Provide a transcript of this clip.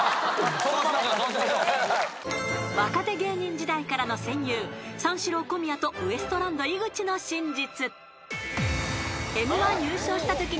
［若手芸人時代からの戦友三四郎小宮とウエストランド井口の真実］